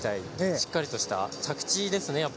しっかりとした着地ですね。